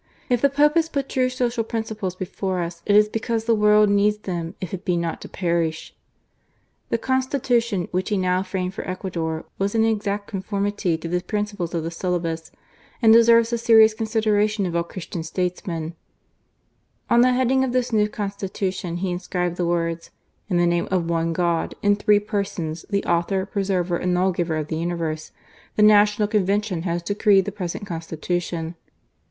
If the Pope has put true social principles before us, it is because the world needs them if it be not to perish." The Constitution which he now framed for Ecuador was in exact conformity to the principles of the Syllabus, and deserves the serious con sideration of all Christian statesmen. THE CONSTITUTION. 213 On the heading of his new Constitution he inscribed the words :" In the name of one God, in Three Persons, the Author, Preserver, and Law giver of the Universe, the National Convention has decreed the present Constitution."